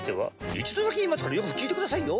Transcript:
一度だけ言いますからよく聞いてくださいよ。